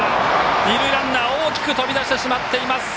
二塁ランナーは大きく飛び出してしまっていた。